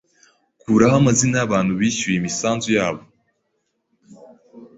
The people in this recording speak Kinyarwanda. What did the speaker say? Kuraho amazina yabantu bishyuye imisanzu yabo.